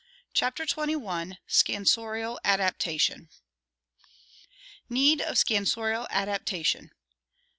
CHAPTER XXI SCANSORIAL ADAPTATION Need of Scansorial Adaptation.